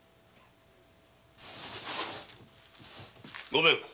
ごめん！